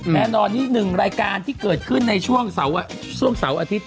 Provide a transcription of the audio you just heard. แน่นอนนี่หนึ่งรายการที่เกิดขึ้นในช่วงเสาร์อาทิตย